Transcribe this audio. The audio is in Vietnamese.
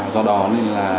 do đó nên là